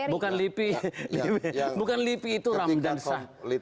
bukan lipi itu ramdan sah